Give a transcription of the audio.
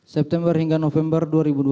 september hingga november dua ribu dua puluh